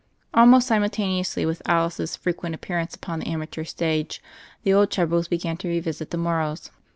Almost simultaneously with Alice's frequent appearance upon the amateur stage, the old troubles began to revisit the Morrows.